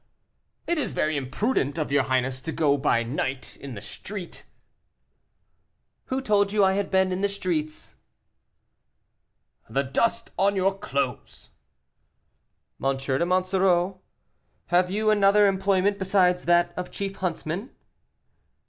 "It is very imprudent of your highness to go by night in the street." "Who told you I had been in the streets?" "The dust on your clothes." "M. de Monsoreau, have you another employment besides that of chief huntsman?"